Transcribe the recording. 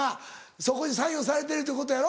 そこに左右されてるということやろ？